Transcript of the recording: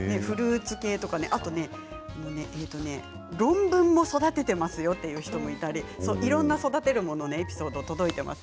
あとはね、論文を育てていますという人もいたりいろいろな育てるもののエピソードが届いています。